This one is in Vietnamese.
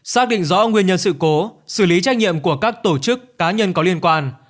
xác định rõ nguyên nhân sự cố xử lý trách nhiệm của các tổ chức cá nhân có liên quan